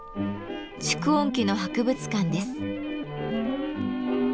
蓄音機の博物館です。